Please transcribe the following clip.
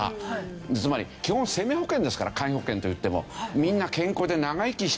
つまり基本生命保険ですから簡易保険といっても。